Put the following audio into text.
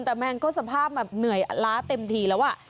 แต่แมงก็สภาพแบบเหนื่อยล้าเต็มทีแล้ว